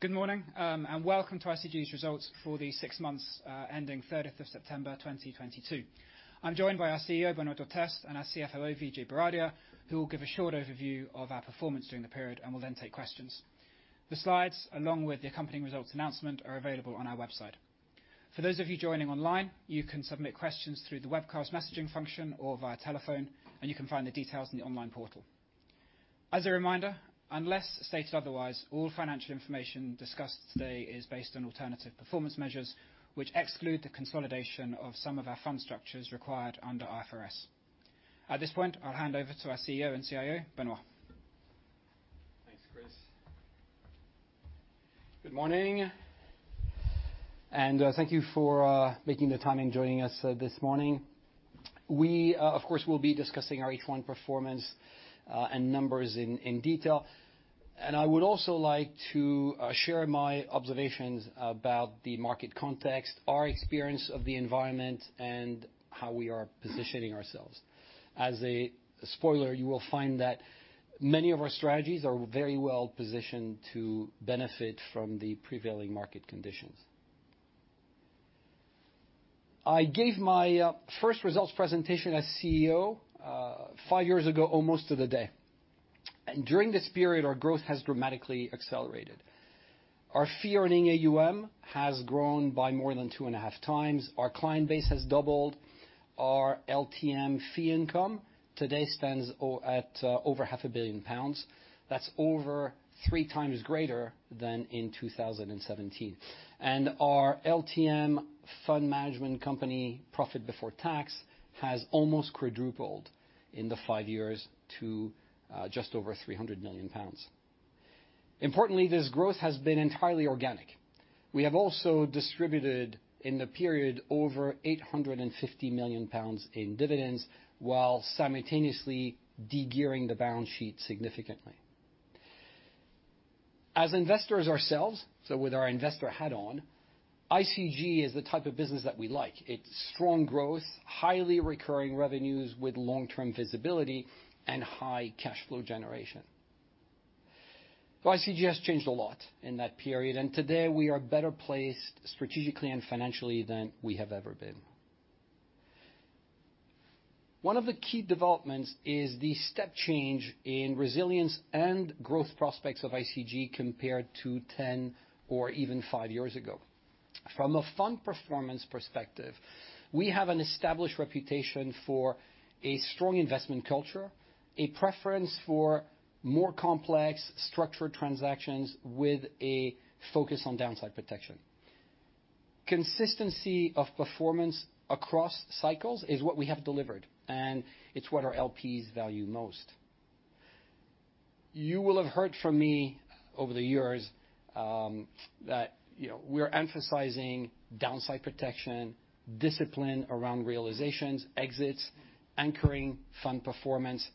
Good morning and welcome to ICG's results for the six months ending 30th of September 2022. I'm joined by our CEO, Benoît Durteste, and our CFO Vijay Bharadia, who will give a short overview of our performance during the period and will then take questions. The slides, along with the accompanying results announcement, are available on our website. For those of you joining online, you can submit questions through the webcast messaging function or via telephone, and you can find the details in the online portal. As a reminder, unless stated otherwise, all financial information discussed today is based on alternative performance measures, which exclude the consolidation of some of our fund structures required under IFRS. At this point, I'll hand over to our CEO and CIO, Benoît. Thanks, Chris. Good morning, thank you for making the time and joining us this morning. We of course, will be discussing our H1 performance and numbers in detail. I would also like to share my observations about the market context, our experience of the environment, and how we are positioning ourselves. As a spoiler, you will find that many of our strategies are very well positioned to benefit from the prevailing market conditions. I gave my first results presentation as CEO five years ago almost to the day. During this period, our growth has dramatically accelerated. Our fee-earning AUM has grown by more than two and a half times. Our client base has doubled. Our LTM fee income today stands at over half a billion pounds. That's over three times greater than in 2017. Our LTM fund management company profit before tax has almost quadrupled in the five years to just over 300 million pounds. Importantly, this growth has been entirely organic. We have also distributed in the period over 850 million pounds in dividends, while simultaneously de-gearing the balance sheet significantly. As investors ourselves, so with our investor hat on, ICG is the type of business that we like. It's strong growth, highly recurring revenues with long-term visibility and high cash flow generation. ICG has changed a lot in that period, and today we are better placed strategically and financially than we have ever been. One of the key developments is the step change in resilience and growth prospects of ICG compared to 10 or even five years ago. From a fund performance perspective, we have an established reputation for a strong investment culture, a preference for more complex structured transactions with a focus on downside protection. Consistency of performance across cycles is what we have delivered, and it's what our LPs value most. You will have heard from me over the years that, you know, we're emphasizing downside protection, discipline around realizations, exits, anchoring fund performance.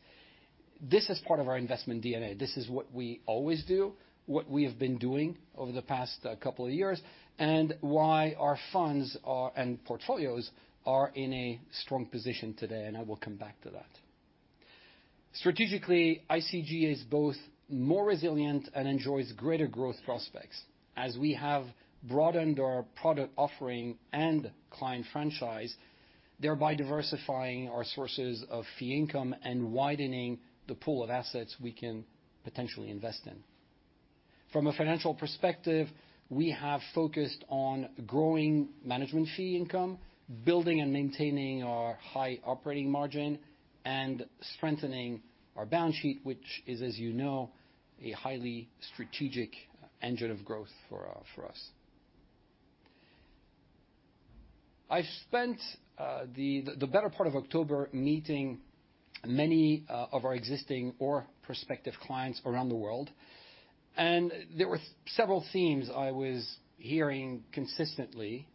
This is part of our investment DNA. This is what we always do, what we have been doing over the past couple of years, and why our funds are, and portfolios are in a strong position today. I will come back to that. Strategically, ICG is both more resilient and enjoys greater growth prospects as we have broadened our product offering and client franchise, thereby diversifying our sources of fee income and widening the pool of assets we can potentially invest in. From a financial perspective, we have focused on growing management fee income, building and maintaining our high operating margin, and strengthening our balance sheet, which is, as you know, a highly strategic engine of growth for us. I've spent the better part of October meeting many of our existing or prospective clients around the world, and there were several themes I was hearing consistently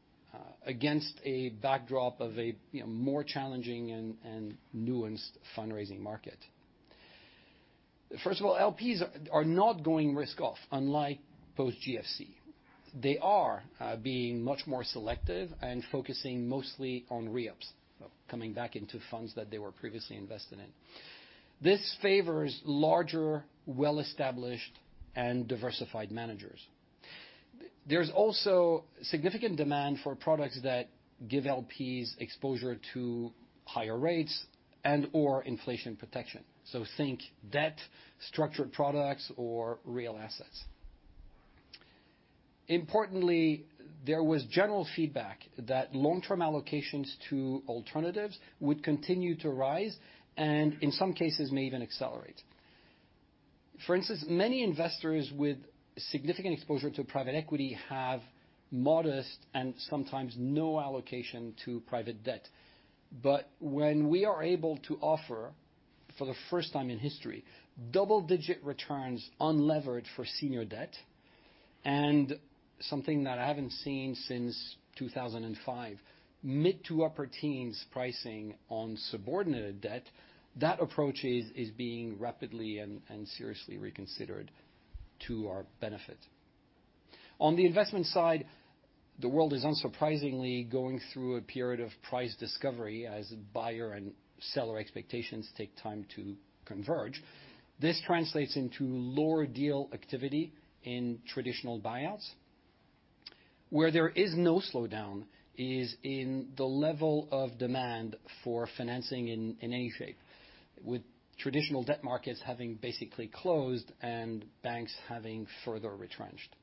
against a backdrop of, you know, more challenging and nuanced fundraising market. First of all, LPs are not going risk-off, unlike post GFC. They are being much more selective and focusing mostly on re-ups, coming back into funds that they were previously invested in. This favors larger, well-established and diversified managers. There's also significant demand for products that give LPs exposure to higher rates and/or inflation protection. Think debt, structured products or real assets. Importantly, there was general feedback that long-term allocations to alternatives would continue to rise and in some cases, may even accelerate. For instance, many investors with significant exposure to private equity have modest and sometimes no allocation to private debt. When we are able to offer, for the first time in history, double-digit returns unlevered for senior debt and something that I haven't seen since 2005, mid to upper teens pricing on subordinated debt, that approach is being rapidly and seriously reconsidered to our benefit. On the investment side, the world is unsurprisingly going through a period of price discovery as buyer and seller expectations take time to converge. This translates into lower deal activity in traditional buyouts. Where there is no slowdown is in the level of demand for financing in any shape, with traditional debt markets having basically closed and banks having further retrenched.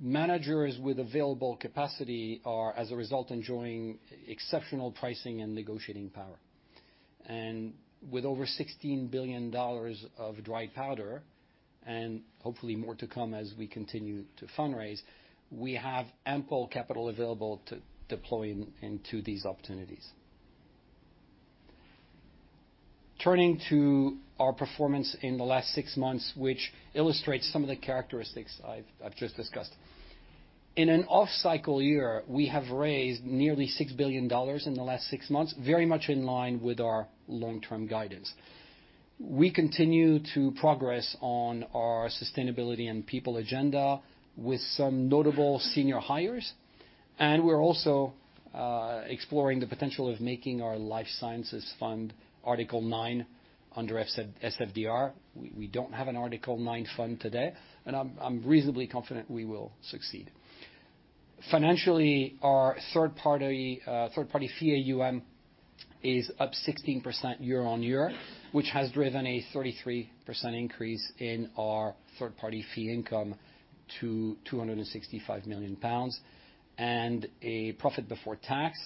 Managers with available capacity are, as a result, enjoying exceptional pricing and negotiating power. With over $16 billion of dry powder, and hopefully more to come as we continue to fundraise, we have ample capital available to deploy into these opportunities. Turning to our performance in the last six months, which illustrates some of the characteristics I've just discussed. In an off-cycle year, we have raised nearly $6 billion in the last six months, very much in line with our long-term guidance. We continue to progress on our sustainability and people agenda with some notable senior hires, and we're also exploring the potential of making our Life Sciences Fund Article 9 under SFDR. We don't have an Article 9 fund today, and I'm reasonably confident we will succeed. Financially, our third-party fee AUM is up 16% year-on-year, which has driven a 33% increase in our third-party fee income to 265 million pounds and a profit before tax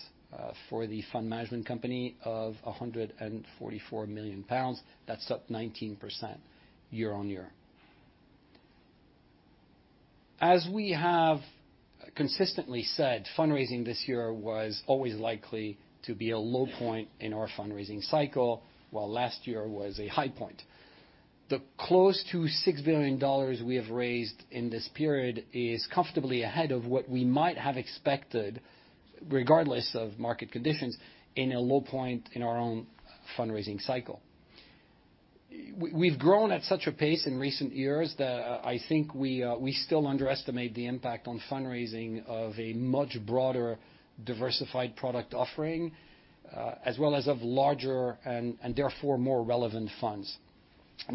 for the Fund Management Company of 144 million pounds. That's up 19% year-on-year. As we have consistently said, fundraising this year was always likely to be a low point in our fundraising cycle, while last year was a high point. The close to $6 billion we have raised in this period is comfortably ahead of what we might have expected, regardless of market conditions, in a low point in our own fundraising cycle. We've grown at such a pace in recent years that I think we still underestimate the impact on fundraising of a much broader diversified product offering as well as of larger and therefore more relevant funds.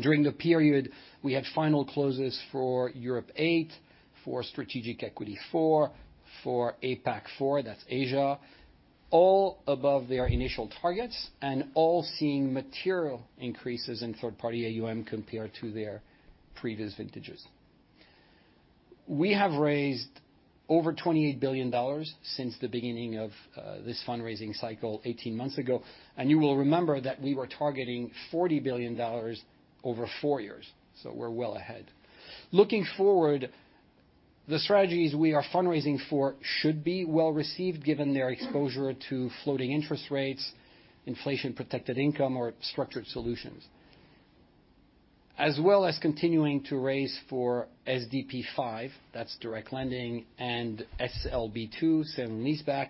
During the period, we had final closes for Europe VIII, for Strategic Equity IV, for APAC IV, that's Asia, all above their initial targets and all seeing material increases in third-party AUM compared to their previous vintages. We have raised over $28 billion since the beginning of this fundraising cycle 18 months ago. You will remember that we were targeting $40 billion over four years, so we're well ahead. Looking forward, the strategies we are fundraising for should be well-received given their exposure to floating interest rates, inflation-protected income or structured solutions. As well as continuing to raise for SDP 5, that's direct lending, and SLB 2, sale and leaseback,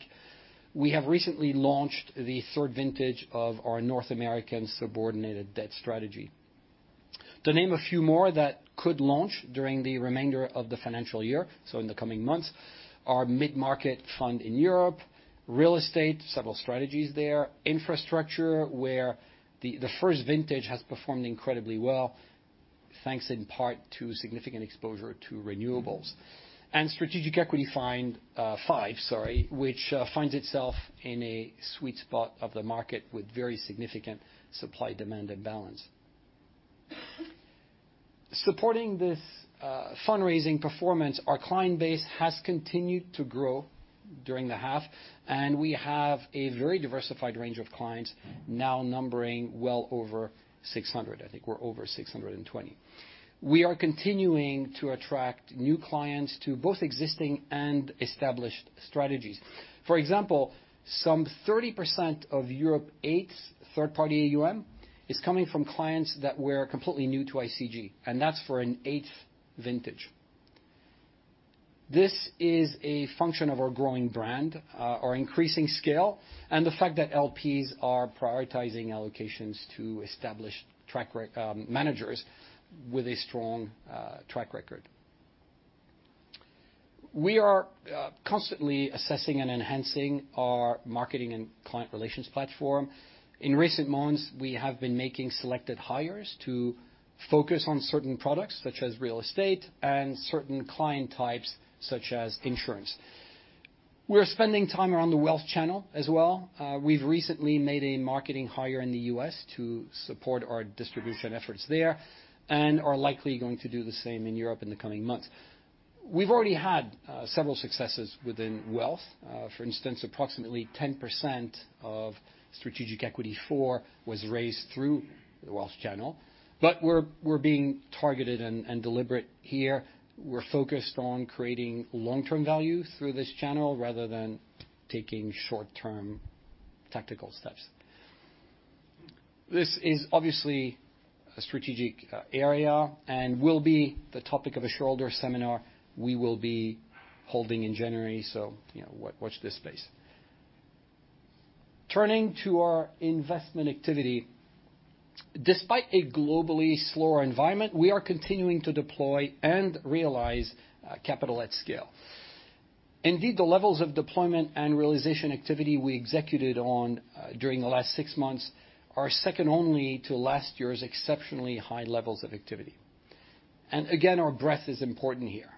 we have recently launched the third vintage of our North American subordinated debt strategy. To name a few more that could launch during the remainder of the financial year, so in the coming months, our mid-market fund in Europe, real estate, several strategies there, infrastructure, where the first vintage has performed incredibly well, thanks in part to significant exposure to renewables. Strategic Equity Fund V, which finds itself in a sweet spot of the market with very significant supply-demand imbalance. Supporting this fundraising performance, our client base has continued to grow during the half and we have a very diversified range of clients now numbering well over 600. I think we're over 620. We are continuing to attract new clients to both existing and established strategies. For example, some 30% of Europe VIII's third-party AUM is coming from clients that were completely new to ICG, and that's for an eighth vintage. This is a function of our growing brand, our increasing scale, and the fact that LPs are prioritizing allocations to established managers with a strong track record. We are constantly assessing and enhancing our marketing and client relations platform. In recent months, we have been making selected hires to focus on certain products, such as real estate and certain client types such as insurance. We're spending time around the wealth channel as well. We've recently made a marketing hire in the U.S. to support our distribution efforts there and are likely going to do the same in Europe in the coming months. We've already had several successes within wealth. For instance, approximately 10% of Strategic Equity IV was raised through the wealth channel but we're being targeted and deliberate here. We're focused on creating long-term value through this channel rather than taking short-term tactical steps. This is obviously a strategic area and will be the topic of a shareholder seminar we will be holding in January. You know, watch this space. Turning to our investment activity. Despite a globally slower environment, we are continuing to deploy and realize capital at scale. Indeed, the levels of deployment and realization activity we executed on during the last six months are second only to last year's exceptionally high levels of activity. Again, our breadth is important here.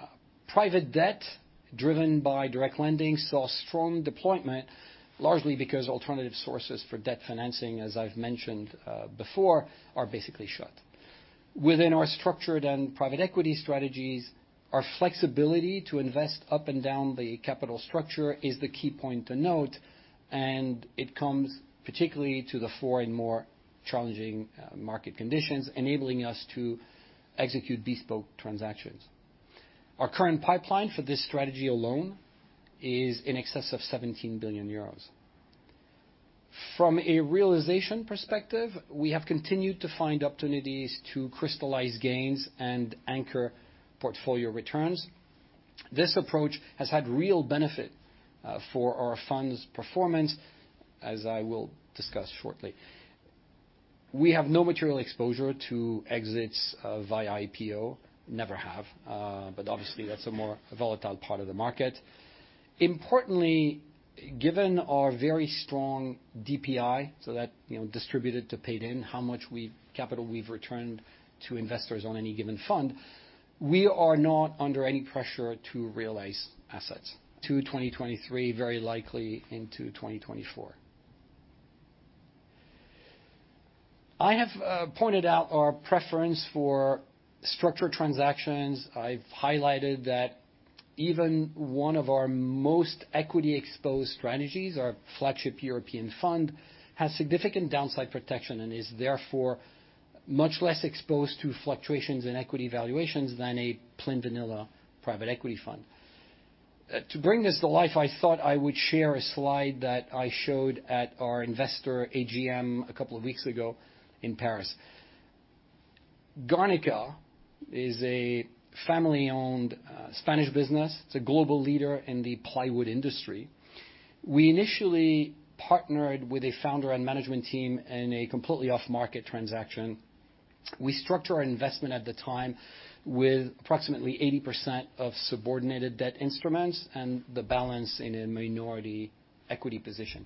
Uh, private debt driven by direct lending saw strong deployment, largely because alternative sources for debt financing, as I've mentioned, uh, before, are basically shut. Within our structured and private equity strategies, our flexibility to invest up and down the capital structure is the key point to note, and it comes particularly to the fore in more challenging, uh, market conditions, enabling us to execute bespoke transactions. Our current pipeline for this strategy alone is in excess of seventeen billion euros. From a realization perspective, we have continued to find opportunities to crystallize gains and anchor portfolio returns. This approach has had real benefit, uh, for our fund's performance, as I will discuss shortly. We have no material exposure to exits via IPO. Never have, uh, but obviously that's a more volatile part of the market. Importantly, given our very strong DPI so that, you know, distributed to paid-in, how much capital we've returned to investors on any given fund, we are not under any pressure to realize assets to 2023, very likely into 2024. I have pointed out our preference for structured transactions. I've highlighted that even one of our most equity-exposed strategies, our flagship European fund, has significant downside protection and is therefore much less exposed to fluctuations in equity valuations than a plain vanilla private equity fund. To bring this to life, I thought I would share a slide that I showed at our investor AGM a couple of weeks ago in Paris. Garnica is a family-owned Spanish business. It's a global leader in the plywood industry. We initially partnered with a founder and management team in a completely off-market transaction. We structured our investment at the time with approximately 80% of subordinated debt instruments and the balance in a minority equity position.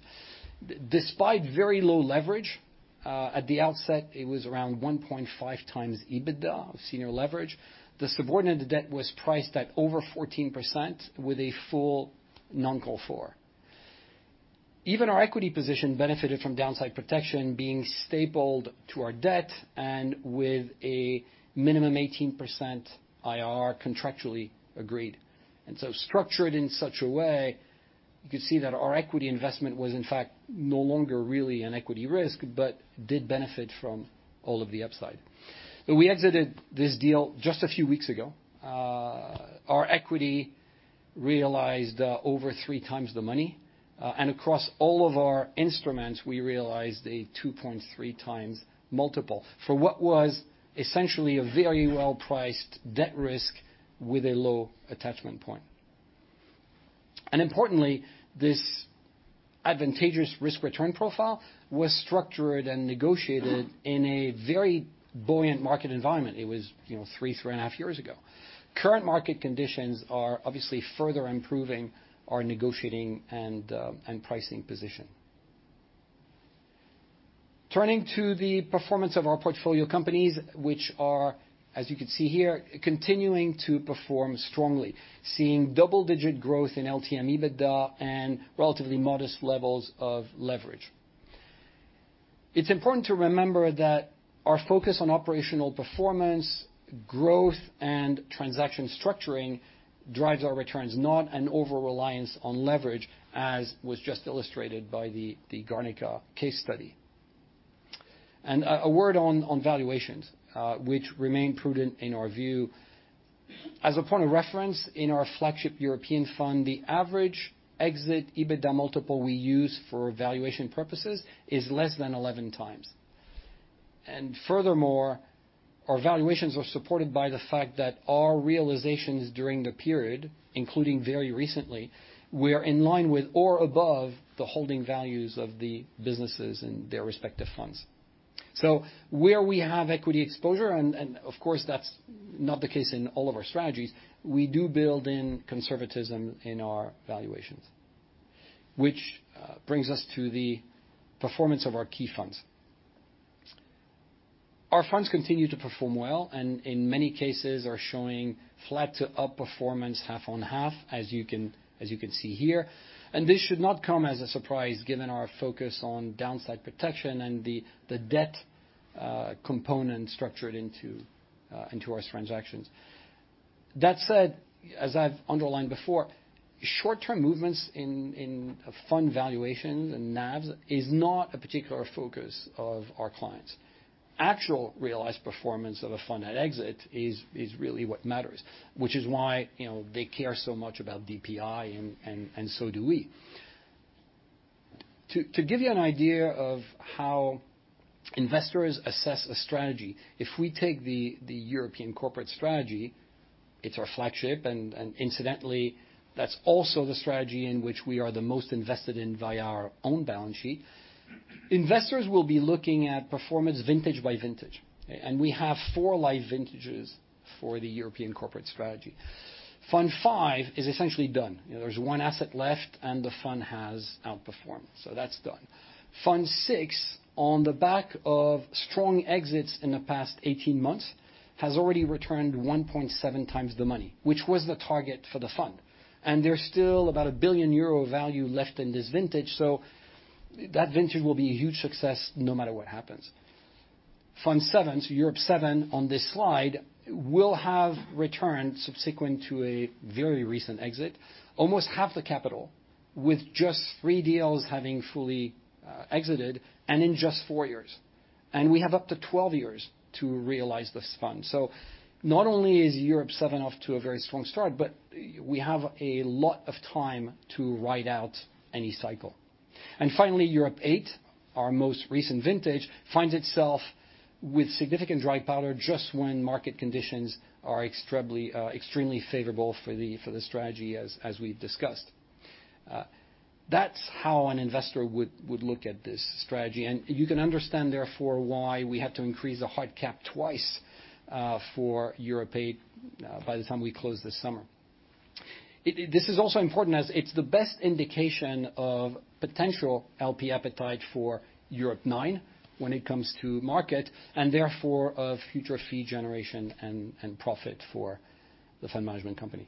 Despite very low leverage, at the outset it was around 1.5x EBITDA of senior leverage. The subordinated debt was priced at over 14% with a full non-call 4. Even our equity position benefited from downside protection being stapled to our debt and with a minimum 18% IRR contractually agreed. Structured in such a way, you could see that our equity investment was in fact no longer really an equity risk, but did benefit from all of the upside. We exited this deal just a few weeks ago. Our equity realized over 3x the money, and across all of our instruments we realized a 2.3x multiple for what was essentially a very well-priced debt risk with a low attachment point. Importantly, this advantageous risk-return profile was structured and negotiated in a very buoyant market environment. It was, you know, 3.5 years ago. Current market conditions are obviously further improving our negotiating and pricing position. Turning to the performance of our portfolio companies, which are, as you can see here, continuing to perform strongly, seeing double-digit growth in LTM EBITDA and relatively modest levels of leverage. It's important to remember that our focus on operational performance, growth, and transaction structuring drives our returns, not an overreliance on leverage, as was just illustrated by the Garnica case study. A word on valuations, which remain prudent in our view. As a point of reference, in our flagship European fund, the average exit EBITDA multiple we use for valuation purposes is less than 11x. Furthermore, our valuations are supported by the fact that our realizations during the period including very recently, we are in line with or above the holding values of the businesses in their respective funds. Where we have equity exposure and of course, that's not the case in all of our strategies, we do build in conservatism in our valuations, which brings us to the performance of our key funds. Our funds continue to perform well, and in many cases are showing flat to up performance half-on-half, as you can see here. This should not come as a surprise given our focus on downside protection and the debt component structured into our transactions. That said, as I've underlined before, short-term movements in fund valuations and NAVs is not a particular focus of our clients. Actual realized performance of a fund at exit is really what matters, which is why, you know, they care so much about DPI and so do we. To give you an idea of how investors assess a strategy, if we take the European corporate strategy, it's our flagship and incidentally, that's also the strategy in which we are the most invested in via our own balance sheet. Investors will be looking at performance vintage by vintage, okay? We have four live vintages for the European corporate strategy. Fund five is essentially done. You know, there's one asset left, and the fund has outperformed, so that's done. Fund six, on the back of strong exits in the past 18 months, has already returned 1.7x the money, which was the target for the fund. There's still about 1 billion euro value left in this vintage, so that vintage will be a huge success no matter what happens. Fund seven, so Europe seven on this slide, will have returned subsequent to a very recent exit, almost half the capital with just three deals having fully exited and in just four years. We have up to 12 years to realize this fund. Not only is Europe VII off to a very strong start, but we have a lot of time to ride out any cycle. Finally, Europe VIII, our most recent vintage, finds itself with significant dry powder just when market conditions are extremely favorable for the strategy as we've discussed. That's how an investor would look at this strategy. You can understand, therefore, why we had to increase the hard cap twice for Europe VIII by the time we closed this summer. This is also important as it's the best indication of potential LP appetite for Europe IX when it comes to market, and therefore of future fee generation and profit for the fund management company.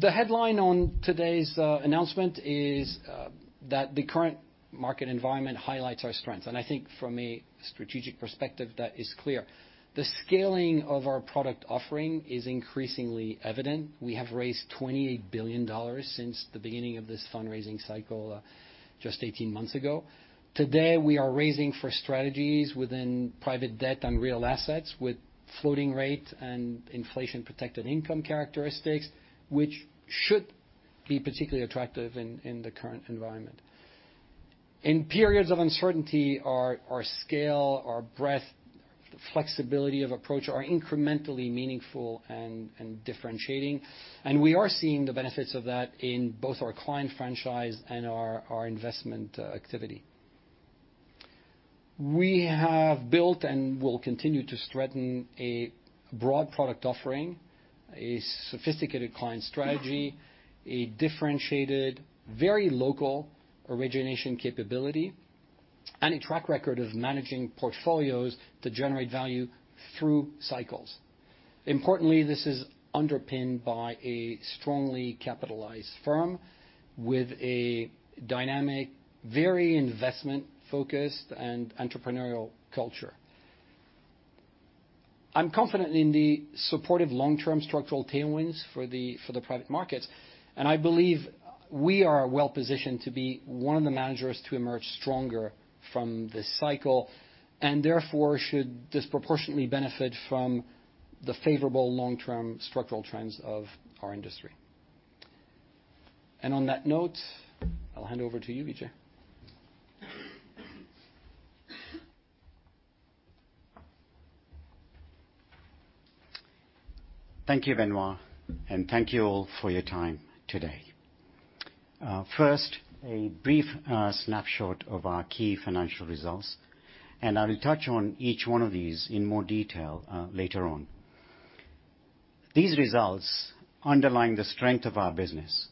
The headline on today's announcement is that the current market environment highlights our strengths. I think from a strategic perspective, that is clear. The scaling of our product offering is increasingly evident. We have raised $28 billion since the beginning of this fundraising cycle just 18 months ago. Today, we are raising for strategies within private debt and real assets with floating rate and inflation-protected income characteristics, which should be particularly attractive in the current environment. In periods of uncertainty, our scale, our breadth, flexibility of approach are incrementally meaningful and differentiating, and we are seeing the benefits of that in both our client franchise and our investment activity. We have built and will continue to strengthen a broad product offering, a sophisticated client strategy, a differentiated, very local origination capability, and a track record of managing portfolios to generate value through cycles. Importantly, this is underpinned by a strongly capitalized firm with a dynamic, very investment-focused and entrepreneurial culture. I'm confident in the supportive long-term structural tailwinds for the private markets and I believe we are well-positioned to be one of the managers to emerge stronger from this cycle, and therefore should disproportionately benefit from the favorable long-term structural trends of our industry. On that note, I'll hand over to you, Vijay. Thank you, Benoît, and thank you all for your time today. First, a brief snapshot of our key financial results, and I will touch on each one of these in more detail later on. These results underline the strength of our business,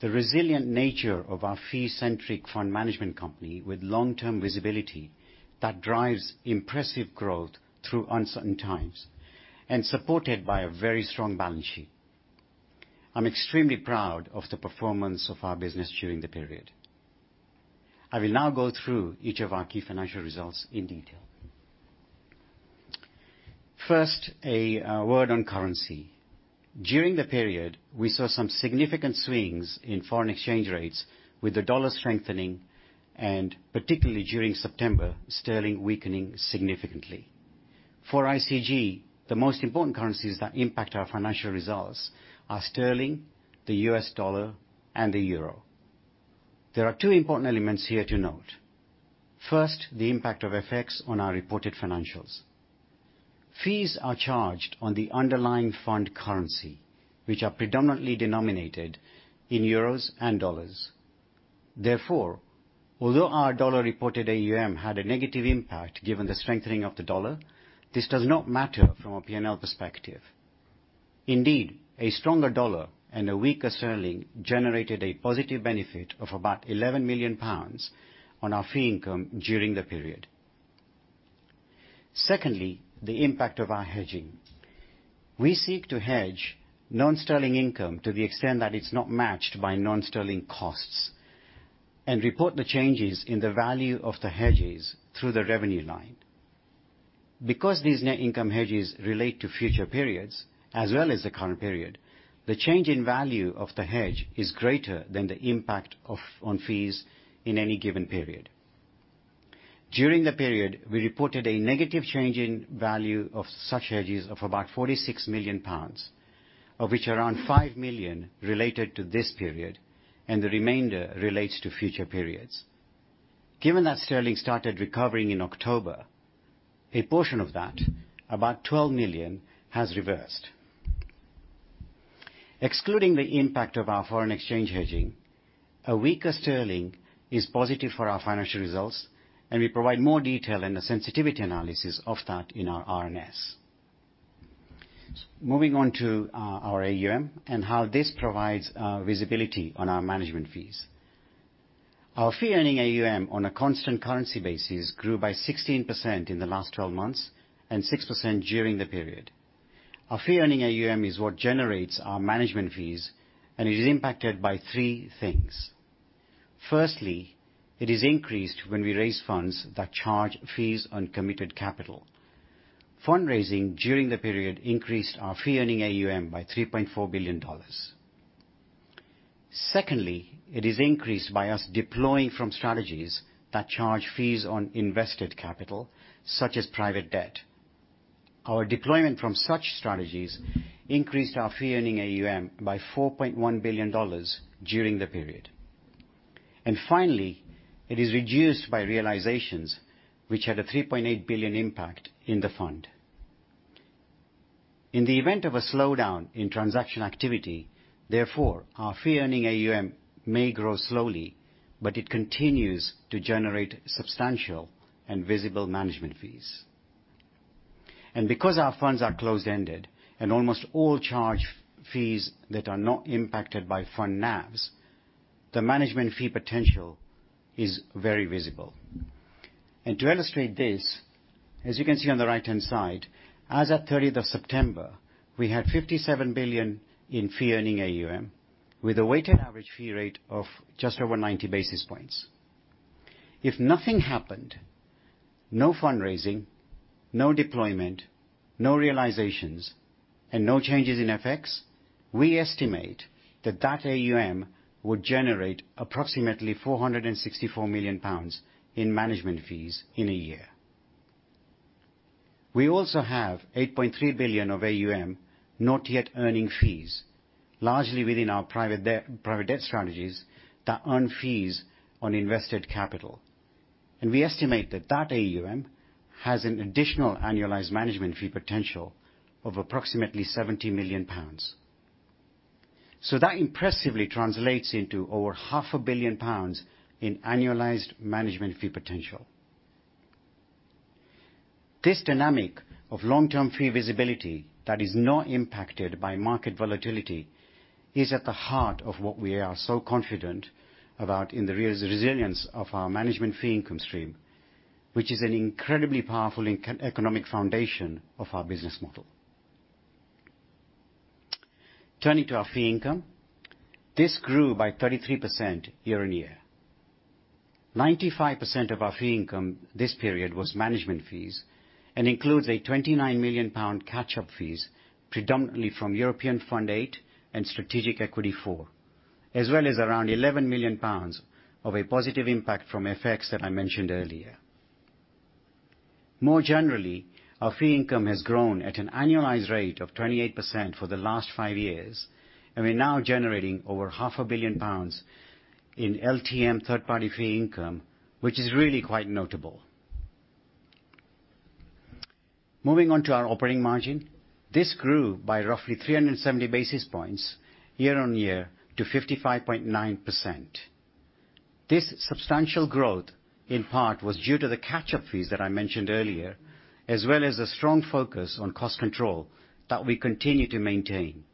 the resilient nature of our fee-centric fund management company with long-term visibility that drives impressive growth through uncertain times and supported by a very strong balance sheet. I'm extremely proud of the performance of our business during the period. I will now go through each of our key financial results in detail. First, a word on currency. During the period, we saw some significant swings in foreign exchange rates with the dollar strengthening and particularly during September, sterling weakening significantly. For ICG, the most important currencies that impact our financial results are sterling, the U.S. dollar, and the euro. There are two important elements here to note. First, the impact of FX on our reported financials. Fees are charged on the underlying fund currency, which are predominantly denominated in euros and dollars. Therefore, although our dollar-reported AUM had a negative impact given the strengthening of the dollar, this does not matter from a P&L perspective. Indeed, a stronger dollar and a weaker sterling generated a positive benefit of about 11 million pounds on our fee income during the period. Secondly, the impact of our hedging. We seek to hedge non-sterling income to the extent that it's not matched by non-sterling costs and report the changes in the value of the hedges through the revenue line. Because these net income hedges relate to future periods as well as the current period, the change in value of the hedge is greater than the impact of - on fees in any given period. During the period, we reported a negative change in value of such hedges of about 46 million pounds, of which around 5 million related to this period, and the remainder relates to future periods. Given that sterling started recovering in October, a portion of that, about 12 million, has reversed. Excluding the impact of our foreign exchange hedging, a weaker sterling is positive for our financial results, and we provide more detail in the sensitivity analysis of that in our RNS. Moving on to our AUM and how this provides visibility on our management fees. Our fee-earning AUM on a constant currency basis grew by 16% in the last 12 months and 6% during the period. Our fee-earning AUM is what generates our management fees, and it is impacted by three things. Firstly, it is increased when we raise funds that charge fees on committed capital. Fundraising during the period increased our fee-earning AUM by $3.4 billion. Secondly, it is increased by us deploying from strategies that charge fees on invested capital, such as private debt. Our deployment from such strategies increased our fee-earning AUM by $4.1 billion during the period. Finally, it is reduced by realizations which had a $3.8 billion impact in the fund. In the event of a slowdown in transaction activity, therefore, our fee-earning AUM may grow slowly, but it continues to generate substantial and visible management fees. Because our funds are closed-ended and almost all charge fees that are not impacted by fund NAVs, the management fee potential is very visible. To illustrate this, as you can see on the right-hand side, as at 30th of September, we had 57 billion in fee-earning AUM with a weighted average fee rate of just over 90 basis points. If nothing happened, no fundraising, no deployment, no realizations, and no changes in FX, we estimate that that AUM would generate approximately 464 million pounds in management fees in a year. We also have 8.3 billion of AUM not yet earning fees, largely within our private debt strategies that earn fees on invested capital. We estimate that that AUM has an additional annualized management fee potential of approximately 70 million pounds. That impressively translates into over half a billion pounds in annualized management fee potential. This dynamic of long-term fee visibility that is not impacted by market volatility is at the heart of what we are so confident about in the resilience of our management fee income stream, which is an incredibly powerful economic foundation of our business model. Turning to our fee income. This grew by 33% year-over-year. 95% of our fee income this period was management fees and includes a 29 million pound catch-up fees predominantly from Europe Fund VIII and Strategic Equity IV, as well as around 11 million pounds of a positive impact from FX. that I mentioned earlier. More generally, our fee income has grown at an annualized rate of 28% for the last five years, and we're now generating over half a billion pounds in LTM third-party fee income, which is really quite notable. Moving on to our operating margin. This grew by roughly 370 basis points year-over-year to 55.9%. This substantial growth, in part, was due to the catch-up fees that I mentioned earlier, as well as a strong focus on cost control that we continue to maintain.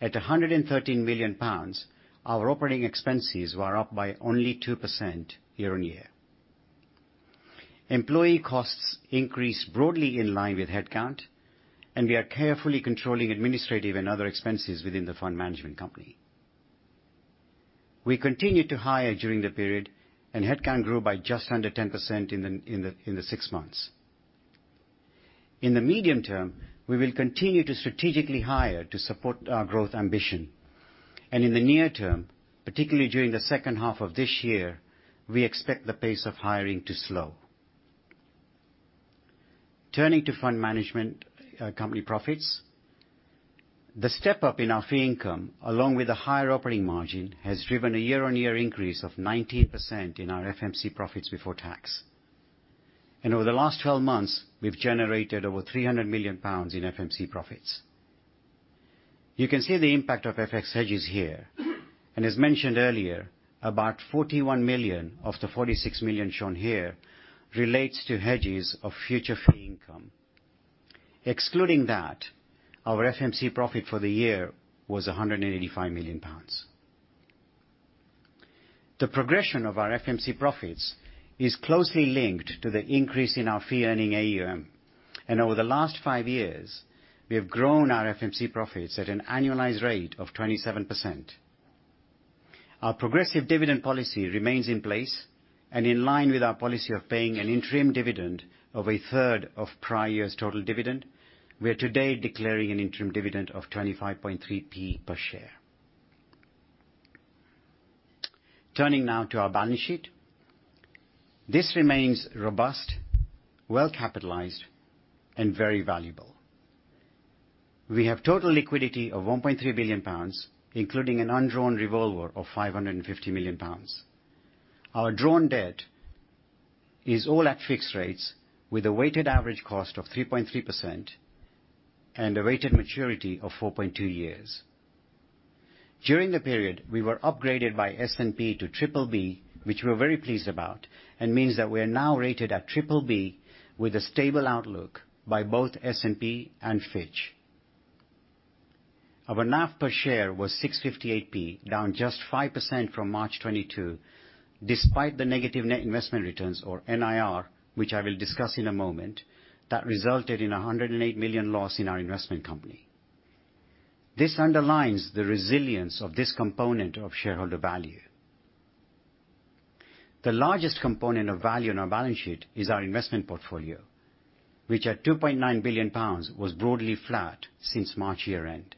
At 113 million pounds, our operating expenses were up by only 2% year-over-year. Employee costs increased broadly in line with headcount, and we are carefully controlling administrative and other expenses within the fund management company. We continued to hire during the period, and headcount grew by just under 10% in the six months. In the medium term, we will continue to strategically hire to support our growth ambition. In the near term, particularly during the second half of this year, we expect the pace of hiring to slow. Turning to fund management company profits. The step-up in our fee income, along with a higher operating margin, has driven a year-on-year increase of 19% in our FMC profits before tax. Over the last 12 months, we've generated over 300 million pounds in FMC profits. You can see the impact of FX hedges here. As mentioned earlier, about 41 million of the 46 million shown here relates to hedges of future fee income. Excluding that, our FMC profit for the year was 185 million pounds. The progression of our FMC profits is closely linked to the increase in our fee-earning AUM. Over the last five years, we have grown our FMC profits at an annualized rate of 27%. Our progressive dividend policy remains in place. In line with our policy of paying an interim dividend of a third of prior year's total dividend, we are today declaring an interim dividend of 0.253 per share. Turning now to our balance sheet. This remains robust, well capitalized, and very valuable. We have total liquidity of 1.3 billion pounds, including an undrawn revolver of 550 million pounds. Our drawn debt is all at fixed rates with a weighted average cost of 3.3% and a weighted maturity of 4.2 years. During the period, we were upgraded by S&P to BBB, which we're very pleased about, and means that we are now rated at BBB with a stable outlook by both S&P and Fitch. Our NAV per share was 6.58, down just 5% from March 2022, despite the negative net investment returns or NIR, which I will discuss in a moment, that resulted in a 108 million loss in our investment company. This underlines the resilience of this component of shareholder value. The largest component of value in our balance sheet is our investment portfolio, which at 2.9 billion pounds was broadly flat since March year-end.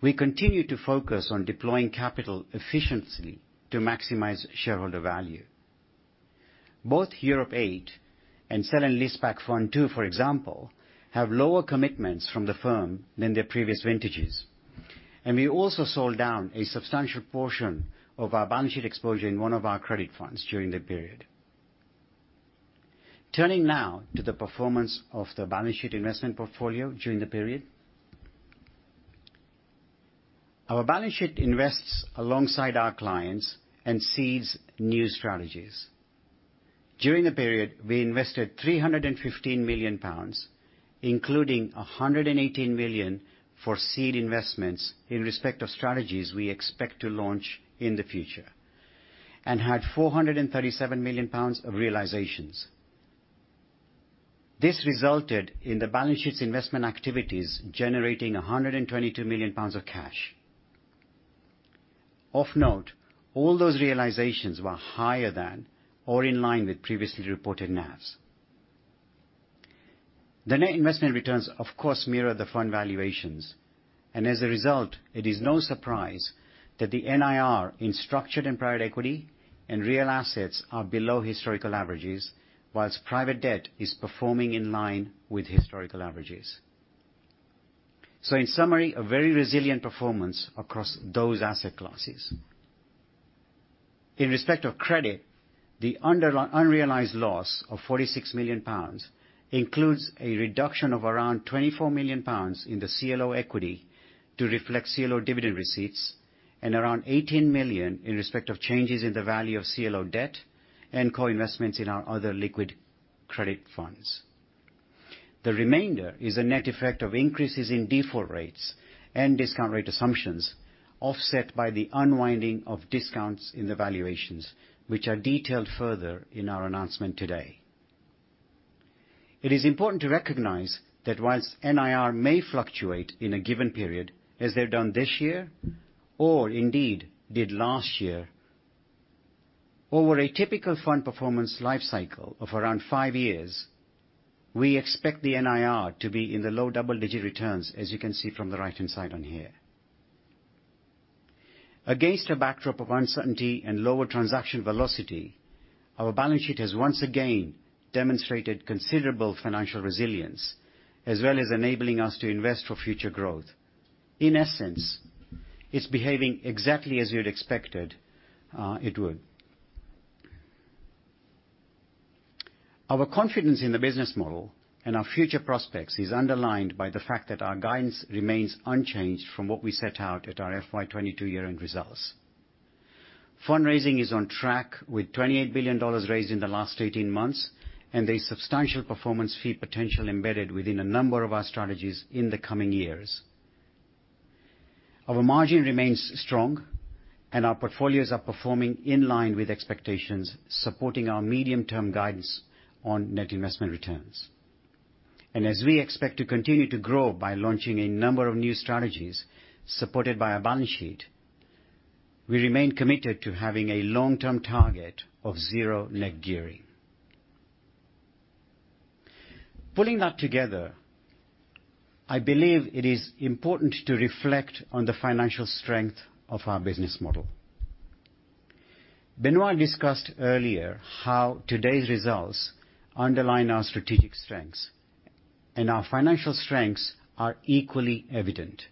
We continue to focus on deploying capital efficiently to maximize shareholder value. Both Europe VIII and Sale and Leaseback Fund II, for example, have lower commitments from the firm than their previous vintages. We also sold down a substantial portion of our balance sheet exposure in one of our credit funds during the period. Turning now to the performance of the balance sheet investment portfolio during the period. Our balance sheet invests alongside our clients and seeds new strategies. During the period, we invested 315 million pounds, including 118 million for seed investments in respect of strategies we expect to launch in the future, and had 437 million pounds of realizations. This resulted in the balance sheet's investment activities generating 122 million pounds of cash. Of note, all those realizations were higher than or in line with previously reported NAVs. The net investment returns of course mirror the fund valuations, and as a result, it is no surprise that the NIR in structured and private equity and real assets are below historical averages, whilst private debt is performing in line with historical averages. In summary, a very resilient performance across those asset classes. In respect of credit, the unrealized loss of 46 million pounds includes a reduction of around 24 million pounds in the CLO equity to reflect CLO dividend receipts and around 18 million in respect of changes in the value of CLO debt and co-investments in our other liquid credit funds. The remainder is a net effect of increases in default rates and discount rate assumptions, offset by the unwinding of discounts in the valuations, which are detailed further in our announcement today. It is important to recognize that whilst NIR may fluctuate in a given period, as they've done this year, or indeed did last year. Over a typical fund performance life cycle of around five years, we expect the NIR to be in the low double-digit returns, as you can see from the right-hand side on here. Against a backdrop of uncertainty and lower transaction velocity, our balance sheet has once again demonstrated considerable financial resilience, as well as enabling us to invest for future growth. In essence, it's behaving exactly as we had expected it would. Our confidence in the business model and our future prospects is underlined by the fact that our guidance remains unchanged from what we set out at our FY 2022 year-end results. Fundraising is on track with $28 billion raised in the last 18 months, and a substantial performance fee potential embedded within a number of our strategies in the coming years. Our margin remains strong and our portfolios are performing in line with expectations, supporting our medium-term guidance on net investment returns. As we expect to continue to grow by launching a number of new strategies supported by our balance sheet, we remain committed to having a long-term target of zero net gearing. Pulling that together, I believe it is important to reflect on the financial strength of our business model. Benoît discussed earlier how today's results underline our strategic strengths, and our financial strengths are equally evident.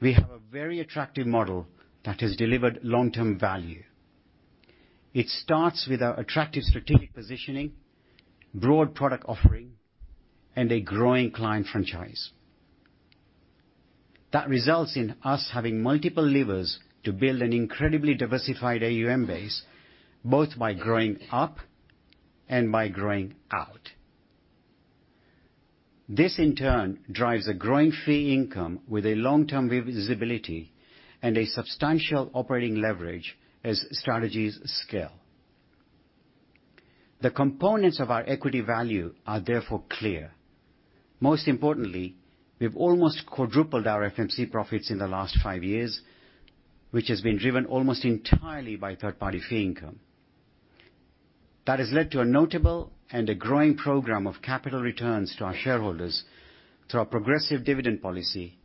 We have a very attractive model that has delivered long-term value. It starts with our attractive strategic positioning, broad product offering, and a growing client franchise. That results in us having multiple levers to build an incredibly diversified AUM base, both by growing up and by growing out. This in turn drives a growing fee income with a long-term visibility and a substantial operating leverage as strategies scale. The components of our equity value are therefore clear. Most importantly, we've almost quadrupled our FMC profits in the last five years, which has been driven almost entirely by third-party fee income. That has led to a notable and a growing program of capital returns to our shareholders through our progressive dividend policy.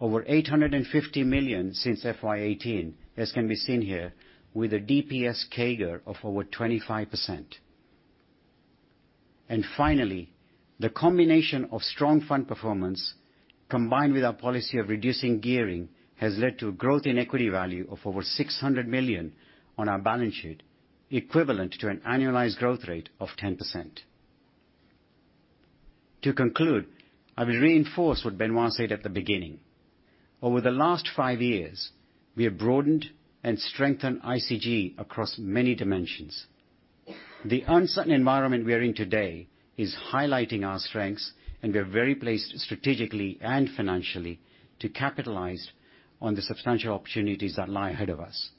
Over 850 million since FY 2018, as can be seen here, with a DPS CAGR of over 25%. Finally, the combination of strong fund performance combined with our policy of reducing gearing has led to a growth in equity value of over 600 million on our balance sheet, equivalent to an annualized growth rate of 10%. To conclude, I will reinforce what Benoît said at the beginning. Over the last five years, we have broadened and strengthened ICG across many dimensions. The uncertain environment we are in today is highlighting our strengths, and we are well placed strategically and financially to capitalize on the substantial opportunities that lie ahead of us.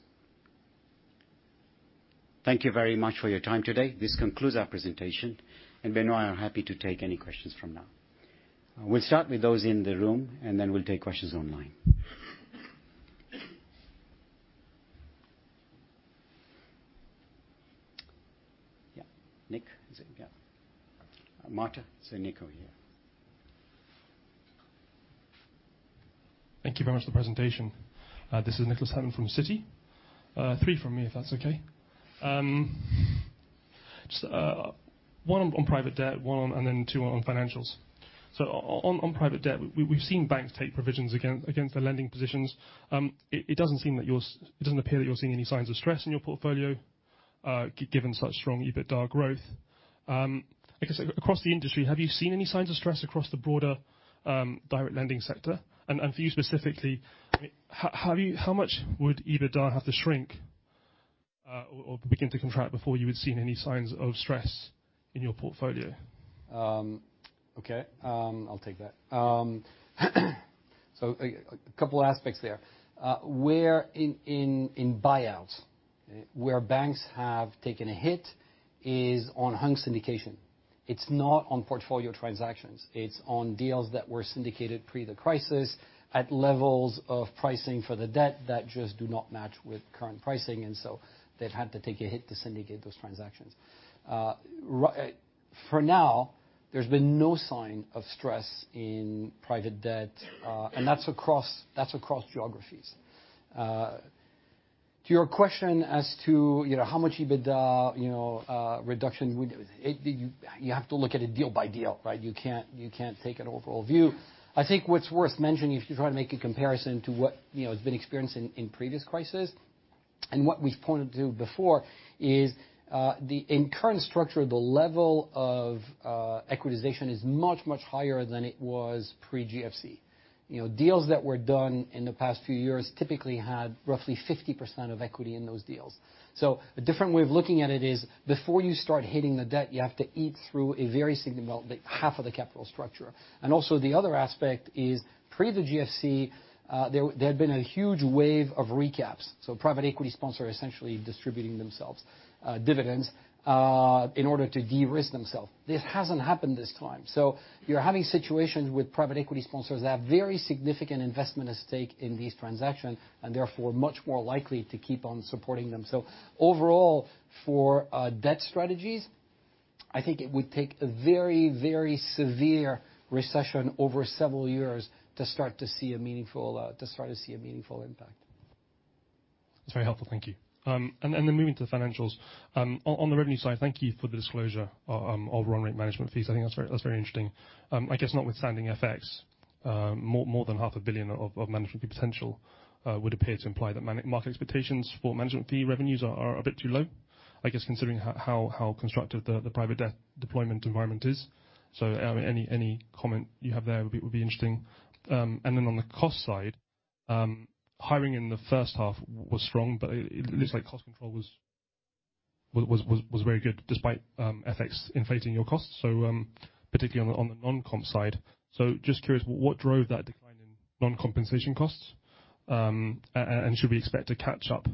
Thank you very much for your time today. This concludes our presentation, and Benoît and I are happy to take any questions from now. We'll start with those in the room, and then we'll take questions online. Yeah. Nick. Is it Nick? Marta, I see Nick over here. Thank you very much for the presentation. This is Nicholas Herman from Citi. Three from me, if that's okay. One on private debt and then two on financials. On private debt, we've seen banks take provisions against the lending positions. It doesn't appear that you're seeing any signs of stress in your portfolio given such strong EBITDA growth. I guess, across the industry, have you seen any signs of stress across the broader direct lending sector? For you specifically, I mean how much would EBITDA have to shrink or begin to contract before you would have seen any signs of stress in your portfolio? Okay. I'll take that. A couple aspects there. Where in buyouts, where banks have taken a hit is on hung syndication. It's not on portfolio transactions. It's on deals that were syndicated pre the crisis at levels of pricing for the debt that just do not match with current pricing, and so they've had to take a hit to syndicate those transactions. For now, there's been no sign of stress in private debt, and that's across geographies. To your question as to, you know, how much EBITDA, you know, you have to look at it deal by deal, right? You can't take an overall view. I think what's worth mentioning if you try to make a comparison to what, you know, has been experienced in previous crisis, and what we've pointed to before is, in current structure, the level of equitization is much higher than it was pre-GFC. You know, deals that were done in the past few years typically had roughly 50% of equity in those deals. A different way of looking at it is before you start hitting the debt, you have to eat through a very significant, like, half of the capital structure. The other aspect is pre the GFC, there had been a huge wave of recaps. Private equity sponsor essentially distributing themselves dividends in order to de-risk themselves. This hasn't happened this time. You're having situations with private equity sponsors that have very significant investment at stake in these transactions and therefore much more likely to keep on supporting them. Overall, for debt strategies, I think it would take a very severe recession over several years to start to see a meaningful impact. That's very helpful. Thank you. Moving to the financials. On the revenue side, thank you for the disclosure of run rate management fees. I think that's very interesting. I guess notwithstanding FX, more than half a billion GBP of management fee potential would appear to imply that market expectations for management fee revenues are a bit too low, I guess, considering how constructive the private debt deployment environment is. Any comment you have there would be interesting. On the cost side, hiring in the first half was strong, but it looks like cost control was very good despite FX inflating your costs. Particularly on the non-comp side. Just curious, what drove that decline in non-compensation costs? Should we expect a catch-up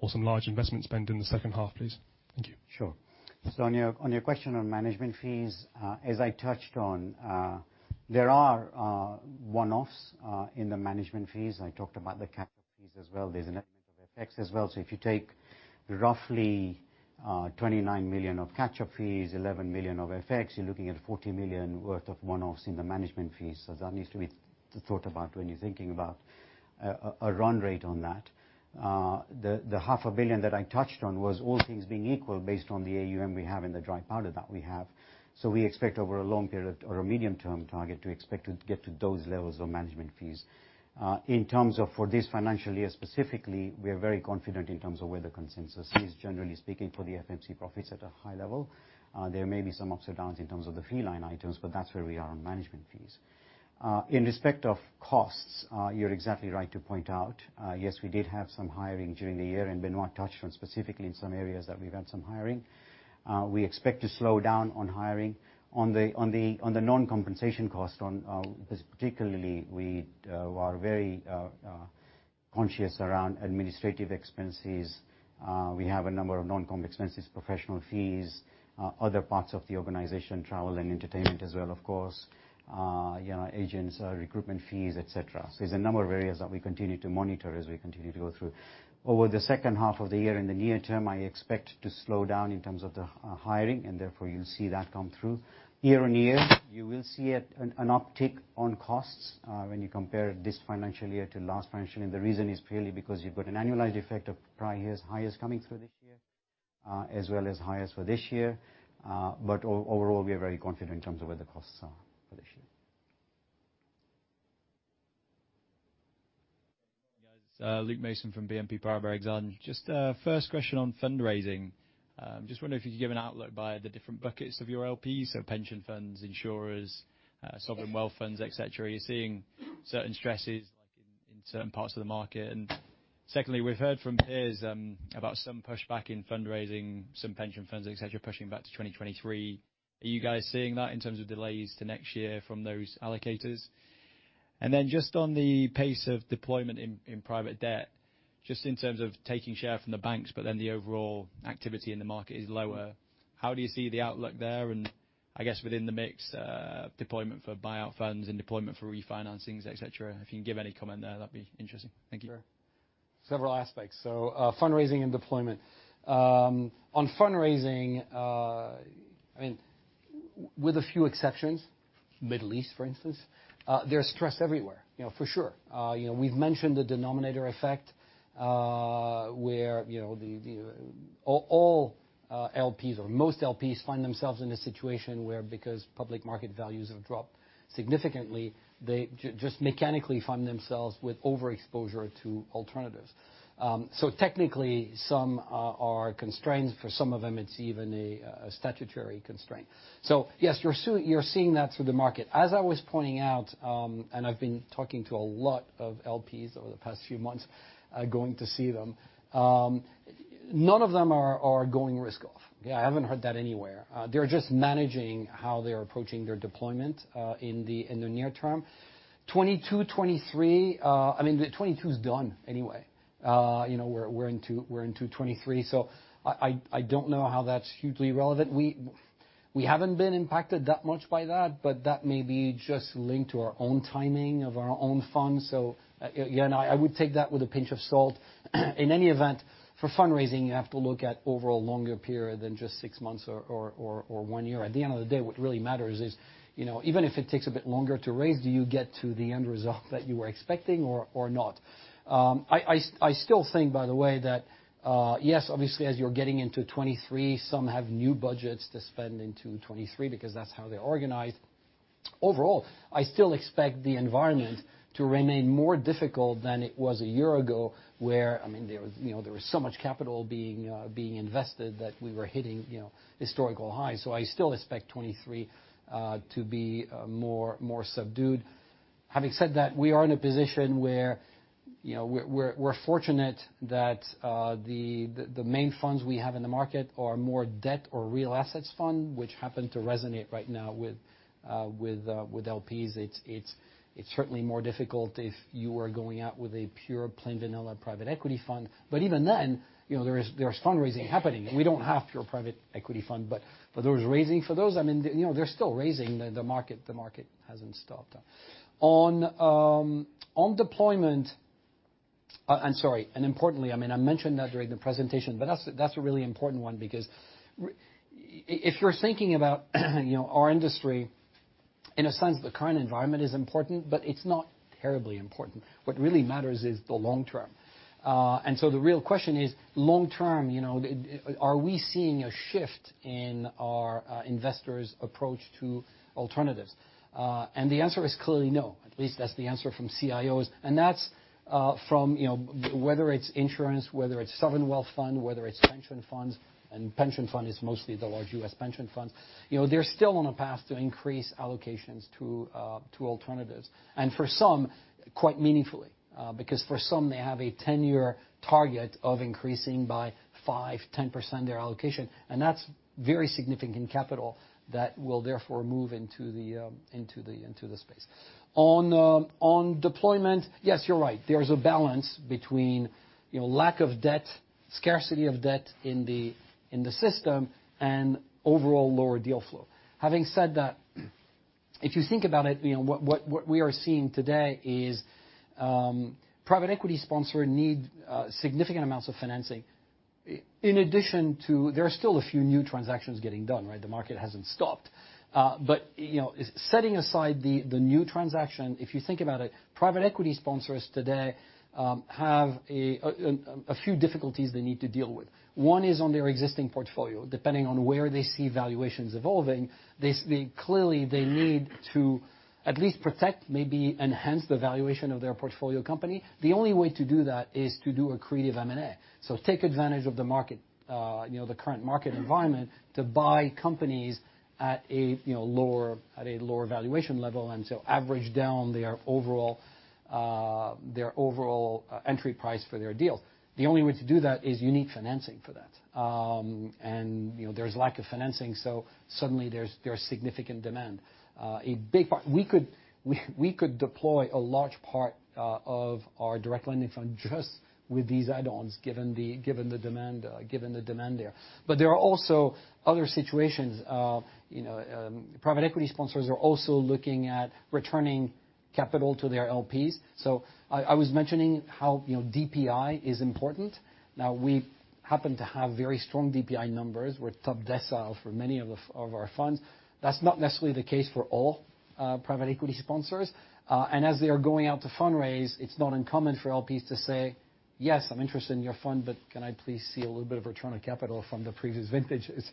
or some large investment spend in the second half, please? Thank you. Sure. On your question on management fees, as I touched on, there are one-offs in the management fees. I talked about the catch-up fees as well. There's an element of FX as well. If you take roughly 29 million of catch-up fees, 11 million of FX you're looking at 40 million worth of one-offs in the management fees. That needs to be thought about when you're thinking about a run rate on that. The GBP half a billion that I touched on was all things being equal based on the AUM we have and the dry powder that we have. We expect over a long period or a medium-term target to expect to get to those levels of management fees. In terms of for this financial year specifically, we are very confident in terms of where the consensus is, generally speaking, for the FMC profits at a high level. There may be some ups and downs in terms of the fee line items, but that's where we are on management fees. In respect of costs, you're exactly right to point out, yes we did have some hiring during the year, and Benoît touched on specifically in some areas that we've had some hiring. We expect to slow down on hiring. On the non-compensation cost on this particularly, we are very conscious around administrative expenses. We have a number of non-comp expenses, professional fees. Other parts of the organization, travel and entertainment as well, of course. You know, agents, recruitment fees, et cetera. There's a number of areas that we continue to monitor as we continue to go through. Over the second half of the year, in the near term, I expect to slow down in terms of the hiring, and therefore you see that come through. Year-on-year, you will see an uptick on costs when you compare this financial year to last financial year. The reason is purely because you've got an annualized effect of prior year's hires coming through this year, as well as hires for this year. Overall, we are very confident in terms of where the costs are for this year. Luke Mason from BNP Paribas on. Just first question on fundraising. Just wonder if you could give an outlook by the different buckets of your LPs, so pension funds, insurers, sovereign wealth funds, et cetera. Are you seeing certain stresses like in certain parts of the market? Secondly, we've heard from peers about some pushback in fundraising, some pension funds, et cetera, pushing back to 2023. Are you guys seeing that in terms of delays to next year from those allocators? Just on the pace of deployment in private debt, just in terms of taking share from the banks, but then the overall activity in the market is lower. How do you see the outlook there? I guess within the mix, deployment for buyout funds and deployment for refinancings, et cetera. If you can give any comment there, that'd be interesting. Thank you. Sure. Several aspects. Fundraising and deployment. On fundraising, I mean, with a few exceptions, Middle East, for instance, there's stress everywhere, you know, for sure. You know, we've mentioned the denominator effect where, you know, all LPs or most LPs find themselves in a situation where because public market values have dropped significantly, they mechanically find themselves with overexposure to alternatives. Technically, some are constrained. For some of them, it's even a statutory constraint. Yes, you're seeing that through the market. As I was pointing out, and I've been talking to a lot of LPs over the past few months, going to see them, none of them are going risk off. Yeah, I haven't heard that anywhere. They're just managing how they're approaching their deployment in the near term. 2022, 2023, I mean 2022's done anyway. You know, we're into 2023, so I don't know how that's hugely relevant. We haven't been impacted that much by that, but that may be just linked to our own timing of our own funds. Yeah, I would take that with a pinch of salt. In any event, for fundraising, you have to look at overall longer period than just six months or one year. At the end of the day, what really matters is, you know, even if it takes a bit longer to raise, do you get to the end result that you were expecting or not? I still think, by the way, that, yes, obviously, as you're getting into 2023, some have new budgets to spend into 2023 because that's how they organize. Overall, I still expect the environment to remain more difficult than it was a year ago, where, I mean, there was, you know, so much capital being invested that we were hitting, you know, historical highs. I still expect 2023 to be more subdued. Having said that, we are in a position where, you know, we're fortunate that the main funds we have in the market are more debt or real assets fund which happen to resonate right now with LPs. It's certainly more difficult if you are going out with a pure plain vanilla private equity fund. Even then, you know, there is fundraising happening and we don't have pure private equity fund, but there is raising for those. I mean, you know, they're still raising the market. The market hasn't stopped. I'm sorry, and importantly, I mean, I mentioned that during the presentation, but that's a really important one because if you're thinking about, you know, our industry, in a sense, the current environment is important, but it's not terribly important. What really matters is the long term. The real question is, long term, you know, are we seeing a shift in our investors' approach to alternatives? The answer is clearly no, at least that's the answer from CIOs. That's from, you know, whether it's insurance, whether it's sovereign wealth fund, whether it's pension funds, and pension fund is mostly the large U.S. pension funds, you know, they're still on a path to increase allocations to alternatives, and for some, quite meaningfully. Because for some, they have a 10-year target of increasing by 5%-10% their allocation, and that's very significant capital that will therefore move into the space. On deployment, yes, you're right. There's a balance between, you know, lack of debt, scarcity of debt in the system and overall lower deal flow. Having said that, if you think about it, you know, what we are seeing today is private equity sponsor need significant amounts of financing. In addition to there are still a few new transactions getting done, right? The market hasn't stopped. You know, setting aside the new transaction, if you think about it, private equity sponsors today have a few difficulties they need to deal with. One is on their existing portfolio. Depending on where they see valuations evolving, they clearly need to at least protect, maybe enhance the valuation of their portfolio company. The only way to do that is to do accretive M&A. Take advantage of the market, you know, the current market environment to buy companies at a lower valuation level, and so average down their overall entry price for their deal. The only way to do that is you need financing for that. You know, there's lack of financing so suddenly there's significant demand. We could deploy a large part of our direct lending fund just with these add-ons, given the demand there. There are also other situations. You know, private equity sponsors are also looking at returning capital to their LPs. I was mentioning how, you know, DPI is important. Now, we happen to have very strong DPI numbers. We're top decile for many of our funds. That's not necessarily the case for all private equity sponsors. As they are going out to fundraise, it's not uncommon for LPs to say, "Yes, I'm interested in your fund, but can I please see a little bit of return on capital from the previous vintages?"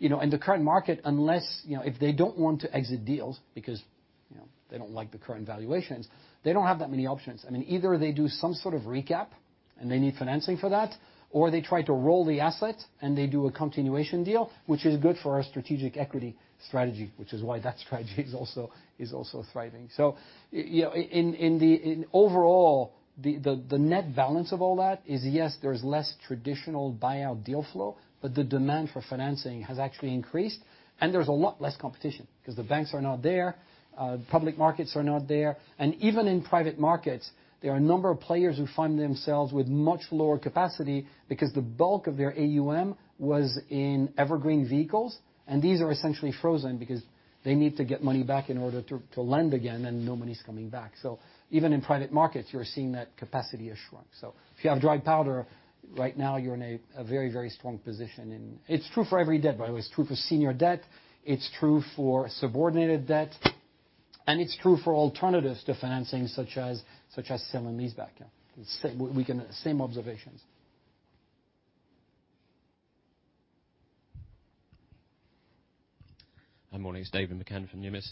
You know, in the current market, unless, you know, if they don't want to exit deals because, you know, they don't like the current valuations, they don't have that many options. I mean, either they do some sort of recap, and they need financing for that, or they try to roll the asset, and they do a continuation deal, which is good for our Strategic Equity strategy, which is why that strategy is also thriving. Overall, the net balance of all that is, yes, there's less traditional buyout deal flow, but the demand for financing has actually increased, and there's a lot less competition, 'cause the banks are not there, public markets are not there. Even in private markets, there are a number of players who find themselves with much lower capacity because the bulk of their AUM was in evergreen vehicles, and these are essentially frozen because they need to get money back in order to lend again and no money's coming back. Even in private markets, you're seeing that capacity has shrunk. If you have dry powder right now, you're in a very, very strong position. It's true for every debt, by the way. It's true for senior debt, it's true for subordinated debt, and it's true for alternatives to financing, such as sale and leaseback. Yeah. Same observations. Hi, morning. It's David McCann from Numis.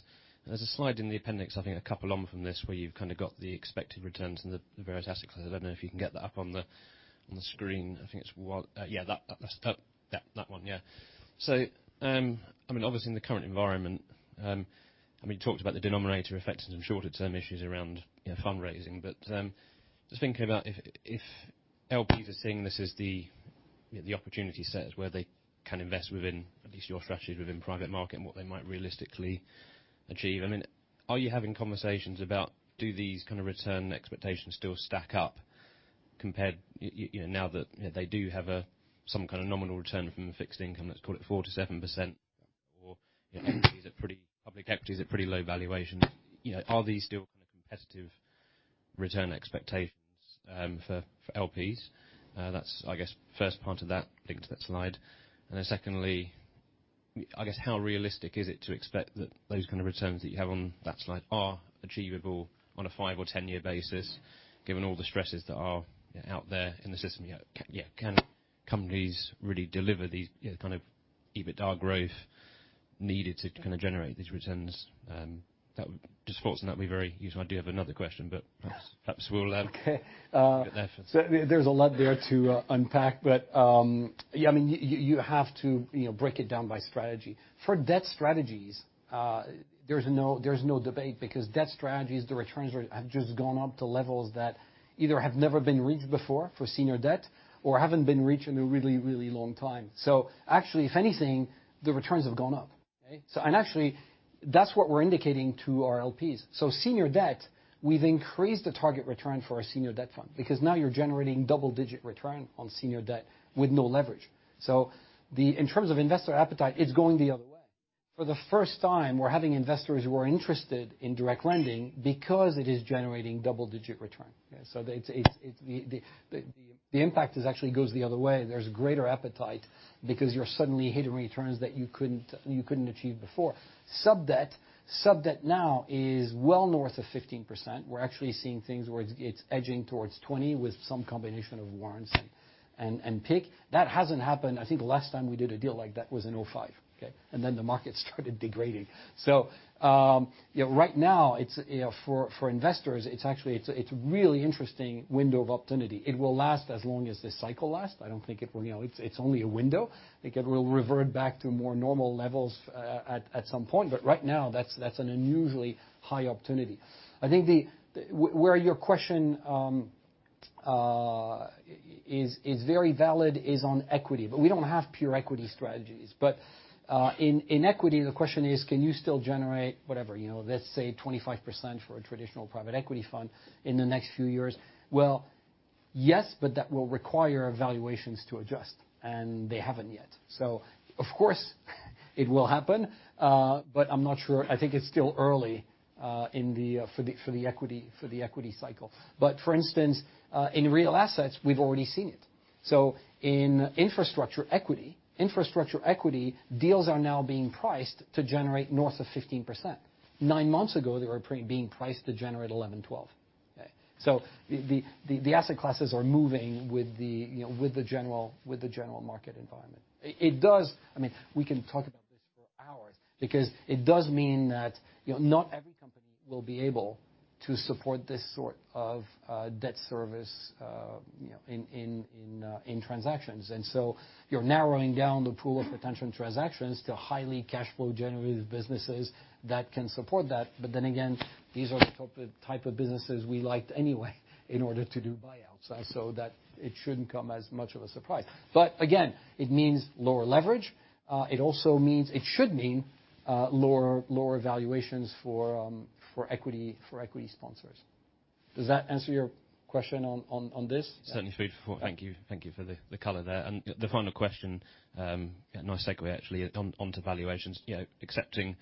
There's a slide in the appendix, I think a couple on from this, where you've kind of got the expected returns and the various assets. I don't know if you can get that up on the screen. I think it's what - yeah, that. That, yeah. That one, yeah. I mean, obviously in the current environment, I mean, you talked about the denominator effect and some shorter-term issues around, you know, fundraising. Just thinking about if LPs are seeing this as the opportunity set where they can invest within at least your strategy within private market and what they might realistically achieve. I mean, are you having conversations about do these kind of return expectations still stack up compared, you know, now that they do have some kind of nominal return from a fixed income, let's call it 4%-7%, or, you know, public equity is at pretty low valuations? You know, are these still kind of competitive return expectations for LPs? That's, I guess, first part of that linked to that slide. Secondly, I guess, how realistic is it to expect that those kind of returns that you have on that slide are achievable on a five or 10-year basis, given all the stresses that are out there in the system? Yeah. Can companies really deliver these, you know, kind of EBITDA growth needed to kind of generate these returns? Just thoughts on that would be very useful. I do have another question. Okay. Get there first. There's a lot there to unpack, but yeah. I mean, you have to, you know, break it down by strategy. For debt strategies, there's no debate because debt strategies, the returns have just gone up to levels that either have never been reached before for senior debt or haven't been reached in a really, really long time. Actually, if anything, the returns have gone up. Okay? Actually, that's what we're indicating to our LPs. Senior debt, we've increased the target return for our senior debt fund because now you're generating double-digit return on senior debt with no leverage. In terms of investor appetite, it's going the other way. For the first time, we're having investors who are interested in direct lending because it is generating double-digit return. Yeah. The impact actually goes the other way, and there's greater appetite because you're suddenly hitting returns that you couldn't achieve before. Sub debt now is well north of 15%. We're actually seeing things where it's edging towards 20% with some combination of warrants and PIK. That hasn't happened. I think the last time we did a deal like that was in 2005, okay? The market started degrading. You know, right now it's, you know, for investors, it's actually a really interesting window of opportunity. It will last as long as this cycle lasts. I don't think it will, you know, it's only a window. It will revert back to more normal levels at some point. Right now that's an unusually high opportunity. Where your question is very valid is on equity, but we don't have pure equity strategies. In equity, the question is can you still generate whatever, you know, let's say 25% for a traditional private equity fund in the next few years? Well, yes, but that will require valuations to adjust and they haven't yet. Of course it will happen, but I'm not sure. I think it's still early for the equity cycle. For instance, in real assets we've already seen it. Infrastructure equity deals are now being priced to generate north of 15%. Nine months ago they were being priced to generate 11%, 12%. Okay? The asset classes are moving with the, you know, general market environment. It does mean that, you know, not every company will be able to support this sort of debt service, you know, in transactions. You're narrowing down the pool of potential transactions to highly cash flow generative businesses that can support that. These are the type of businesses we liked anyway in order to do buyouts, so that it shouldn't come as much of a surprise. It means lower leverage. It should mean lower valuations for equity sponsors. Does that answer your question on this? Certainly food for thought. Thank you for the color there. The final question, a nice segue actually on to valuations, you know, accepting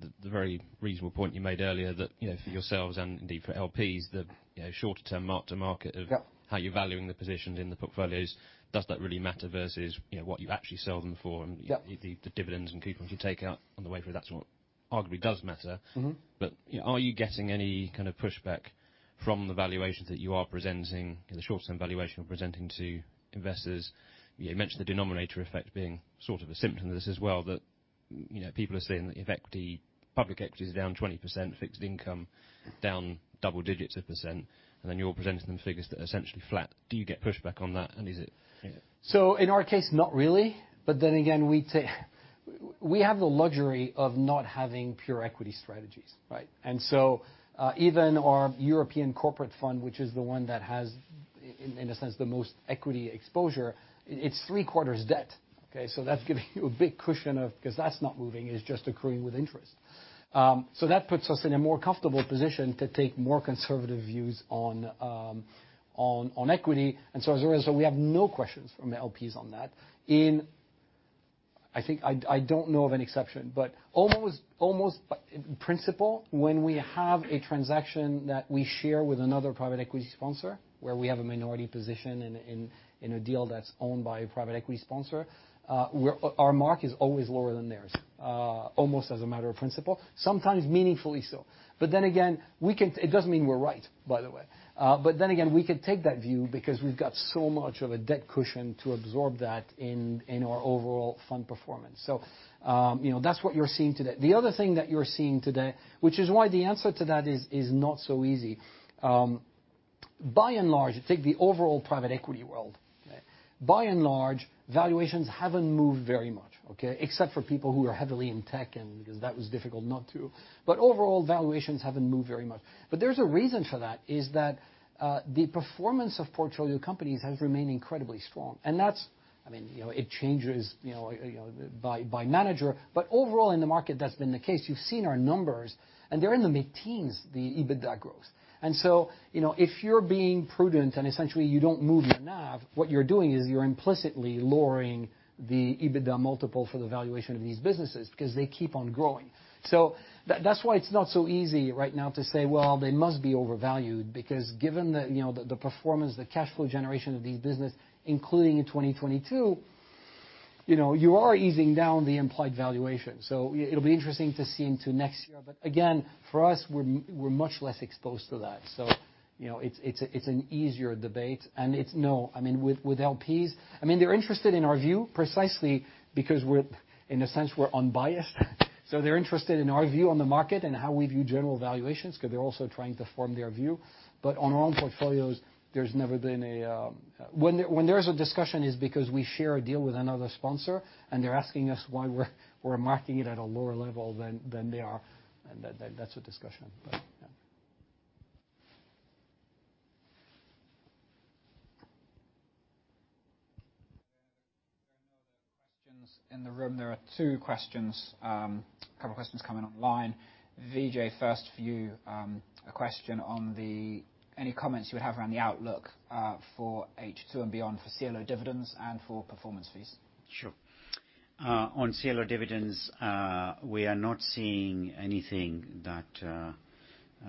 the very reasonable point you made earlier that, you know, for yourselves and indeed for LPs, the, you know, shorter-term mark-to-market. Yeah. How you're valuing the positions in the portfolios, does that really matter versus, you know, what you actually sell them for? Yeah. The dividends and coupons you take out on the way through, that's what arguably does matter. Mm-hmm. Are you getting any kind of pushback from the valuations that you are presenting, the short-term valuation you're presenting to investors? You mentioned the denominator effect being sort of a symptom of this as well, that, you know, people are saying that if equity, public equity is down 20%, fixed income down double digits of %, and then you're presenting them figures that are essentially flat. Do you get pushback on that? Is it - yeah. In our case, not really. We have the luxury of not having pure equity strategies, right? Even our European Corporate Fund, which is the one that has in a sense the most equity exposure, it's 3/4 debt, okay? That's giving you a big cushion 'cause that's not moving, it's just accruing with interest. That puts us in a more comfortable position to take more conservative views on equity. As a result, we have no questions from LPs on that. I don't know of an exception, but almost principle, when we have a transaction that we share with another private equity sponsor, where we have a minority position in a deal that's owned by a private equity sponsor, our mark is always lower than theirs, almost as a matter of principle, sometimes meaningfully so. Again, we can. It doesn't mean we're right, by the way. Again, we can take that view because we've got so much of a debt cushion to absorb that in our overall fund performance. You know, that's what you're seeing today. The other thing that you're seeing today, which is why the answer to that is not so easy. By and large, take the overall private equity world. By and large, valuations haven't moved very much, okay? Except for people who are heavily in tech and because that was difficult not to. Overall, valuations haven't moved very much. There's a reason for that, is that the performance of portfolio companies has remained incredibly strong. That's, I mean, you know, it changes, you know, by manager. Overall in the market, that's been the case. You've seen our numbers, and they're in the mid-teens, the EBITDA growth. You know, if you're being prudent and essentially you don't move your NAV, what you're doing is you're implicitly lowering the EBITDA multiple for the valuation of these businesses because they keep on growing. That's why it's not so easy right now to say, well, they must be overvalued, because given that, you know, the performance, the cash flow generation of these business, including in 2022, you know, you are easing down the implied valuation. It'll be interesting to see into next year. Again, for us, we're much less exposed to that. You know, it's an easier debate. No, I mean, with L.P.s, I mean, they're interested in our view precisely because, in a sense, we're unbiased. They're interested in our view on the market and how we view general valuations because they're also trying to form their view. When there's a discussion, it's because we share a deal with another sponsor and they're asking us why we're marking it at a lower level than they are, and that's a discussion. Yeah. There are no other questions in the room. There are a couple of questions coming online. Vijay, first for you, any comments you have around the outlook for H2 and beyond for CLO dividends and for performance fees? Sure. On CLO dividends, we are not seeing anything that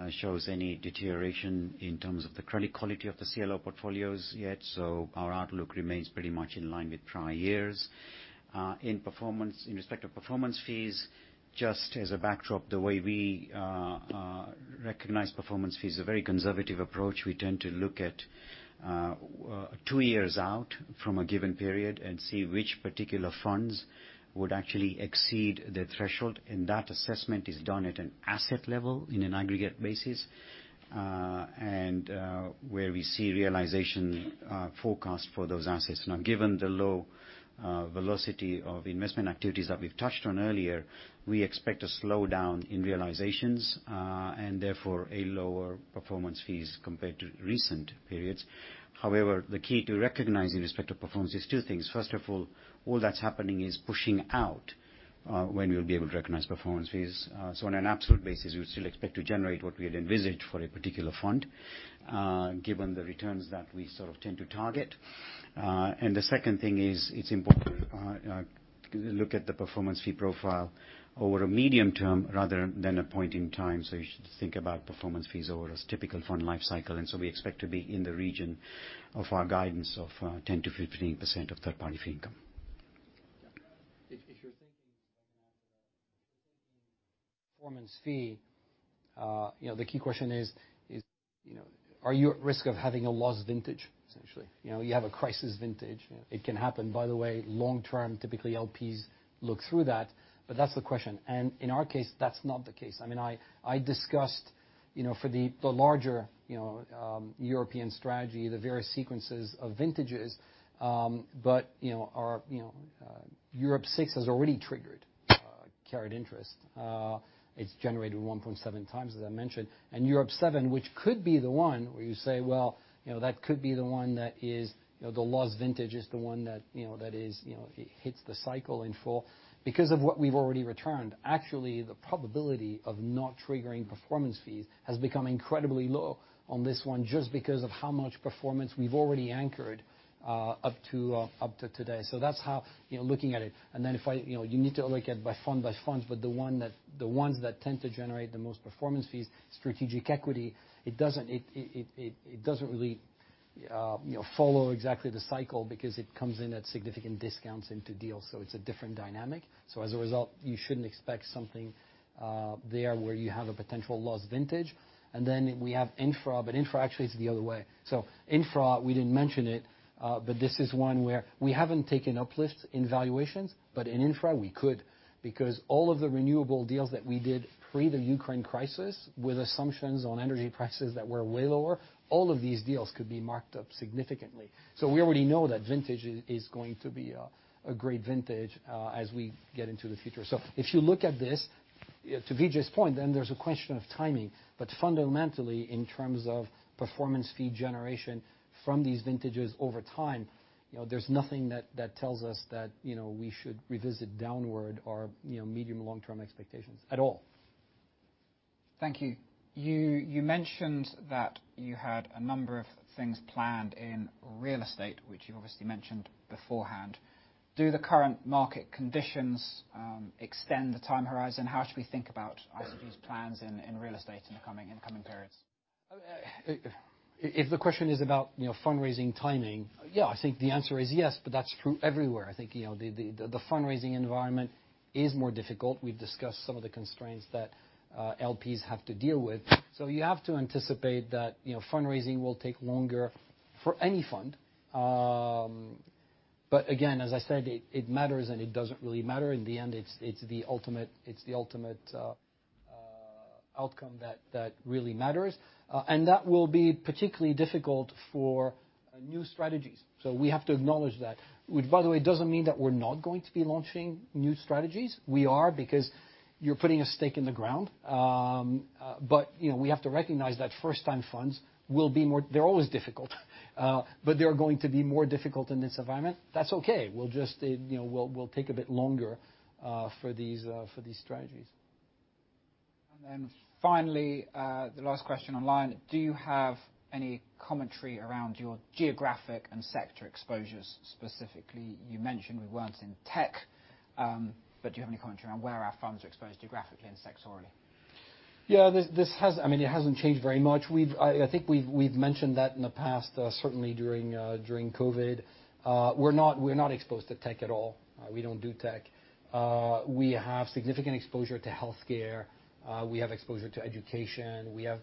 shows any deterioration in terms of the credit quality of the CLO portfolios yet. Our outlook remains pretty much in line with prior years. In respect of performance fees, just as a backdrop, the way we recognize performance fees, a very conservative approach, we tend to look at two years out from a given period and see which particular funds would actually exceed the threshold, and that assessment is done at an asset level in an aggregate basis, and where we see realization forecast for those assets. Now, given the low velocity of investment activities that we've touched on earlier, we expect a slowdown in realizations, and therefore a lower performance fees compared to recent periods. However, the key to recognizing respective performance is two things. First of all that's happening is pushing out when we'll be able to recognize performance fees. On an absolute basis, we would still expect to generate what we had envisaged for a particular fund, given the returns that we sort of tend to target. The second thing is it's important to look at the performance fee profile over a medium term rather than a point in time. You should think about performance fees over a typical fund life cycle. We expect to be in the region of our guidance of 10%-15% of third-party fee income. If you're thinking performance fee, you know, the key question is, are you at risk of having a lost vintage, essentially? You know, you have a crisis vintage. Yeah. It can happen. By the way, long-term, typically LPs look through that, but that's the question. In our case, that's not the case. I mean, I discussed, you know, for the larger, you know, European strategy, the various sequences of vintages, but, you know, our, you know, Europe 6 has already triggered carried interest. It's generated 1.7x, as I mentioned. Europe 7, which could be the one where you say, "Well, you know, that could be the one that is, you know, the lost vintage is the one that, you know, that is, you know, hits the cycle in full." Because of what we've already returned, actually, the probability of not triggering performance fees has become incredibly low on this one just because of how much performance we've already anchored up to today. That's how, you know, looking at it. You know, you need to look at by fund by funds. The ones that tend to generate the most performance fees, Strategic Equity, it doesn't really, you know, follow exactly the cycle because it comes in at significant discounts into deals, so it's a different dynamic. As a result, you shouldn't expect something there where you have a potential lost vintage. We have infra, but infra actually is the other way. Infra, we didn't mention it, but this is one where we haven't taken uplifts in valuations, but in infra, we could because all of the renewable deals that we did pre the Ukraine crisis with assumptions on energy prices that were way lower, all of these deals could be marked up significantly. We already know that vintage is going to be a great vintage as we get into the future. If you look at this, to Vijay's point, then there's a question of timing. Fundamentally, in terms of performance fee generation from these vintages over time, you know, there's nothing that tells us that, you know, we should revisit downward our, you know, medium-long-term expectations at all. Thank you. You mentioned that you had a number of things planned in real estate, which you obviously mentioned beforehand. Do the current market conditions extend the time horizon? How should we think about ICG's plans in real estate in coming periods? If the question is about, you know, fundraising timing, yeah, I think the answer is yes, but that's true everywhere. I think, you know, the fundraising environment is more difficult. We've discussed some of the constraints that LPs have to deal with. You have to anticipate that, you know, fundraising will take longer for any fund. Again, as I said, it matters and it doesn't really matter. In the end, it's the ultimate outcome that really matters. That will be particularly difficult for new strategies. We have to acknowledge that. Which, by the way, doesn't mean that we're not going to be launching new strategies. We are because you're putting a stake in the ground. They're always difficult, uh, but they're going to be more difficult in this environment. That's okay. We'll just, you know, we'll take a bit longer, uh, for these, uh, for these strategies. Finally, the last question online. Do you have any commentary around your geographic and sector exposures specifically? You mentioned we weren't in tech. Do you have any commentary on where our funds are exposed geographically and sectorally? Yeah, I mean, it hasn't changed very much. I think we've mentioned that in the past, certainly during COVID. We're not exposed to tech at all. We don't do tech. We have significant exposure to healthcare. We have exposure to education. We have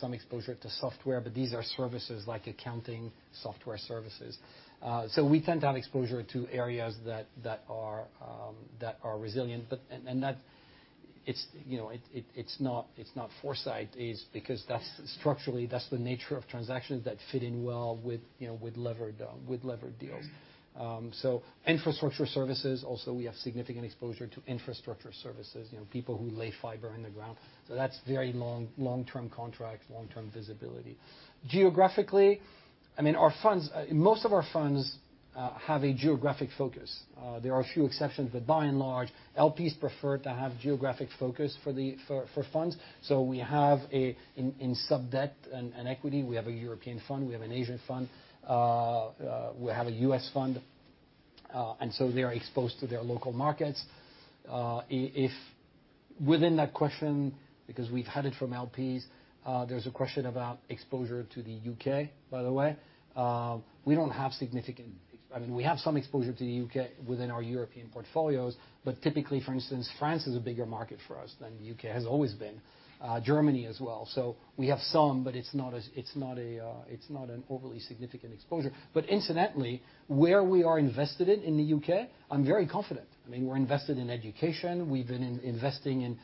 some exposure to software, but these are services like accounting software services. We tend to have exposure to areas that are resilient. It's, you know, it's not foresight. It's because that's structurally the nature of transactions that fit in well with, you know, with levered deals. Infrastructure services, also we have significant exposure to infrastructure services. You know, people who lay fiber in the ground. That's very long, long-term contracts, long-term visibility. Geographically, I mean, our funds, most of our funds have a geographic focus. There are a few exceptions, but by and large, LPs prefer to have geographic focus for funds. In sub-debt and equity, we have a European fund, we have an Asian fund, we have a U.S. fund, and so they're exposed to their local markets. Within that question, because we've had it from LPs, there's a question about exposure to the U.K., by the way. I mean, we have some exposure to the U.K. within our European portfolios, but typically, for instance, France is a bigger market for us than the U.K., has always been, Germany as well. We have some, but it's not an overly significant exposure. Incidentally, where we are invested in the U.K., I'm very confident. I mean, we're invested in education. We've been investing in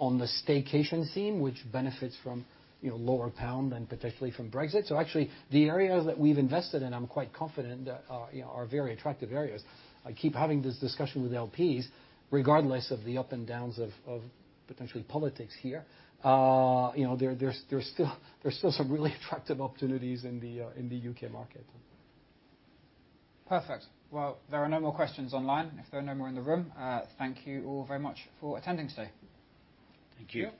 on the staycation scene, which benefits from, you know, lower pound and particularly from Brexit. Actually the areas that we've invested in, I'm quite confident, you know, are very attractive areas. I keep having this discussion with LPs, regardless of the up and downs of potentially politics here, you know, there's still some really attractive opportunities in the U.K. market. Perfect. Well, there are no more questions online. If there are no more in the room, thank you all very much for attending today. Thank you.